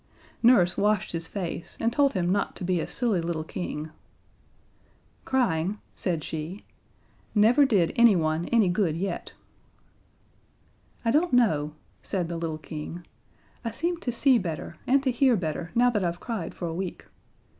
Nurse washed his face, and told him not to be a silly little King. "Crying," said she, "never did anyone any good yet." "I don't know," said the little King, "I seem to see better, and to hear better now that I've cried for a week.